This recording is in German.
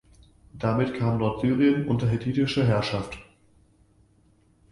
Damit kam Nordsyrien unter hethitische Herrschaft.